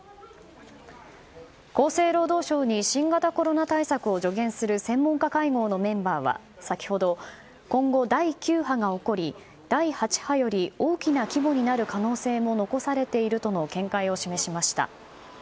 厚生労働省に新型コロナ対策を助言する専門家会合のメンバーは先ほど、今後第９波が起こり第８波より大きな規模になる可能性も残されているとの見解を示しました。